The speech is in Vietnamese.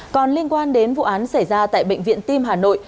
còn liên quan đến vụ án xảy ra tại bệnh viện tim hà nội